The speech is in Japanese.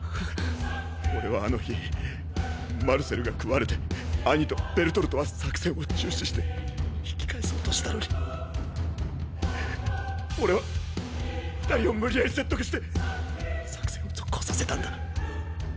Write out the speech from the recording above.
俺はあの日マルセルが食われてアニとベルトルトは作戦を中止して引き返そうとしたのに俺は二人を無理やり説得して作戦を続行させたんだ。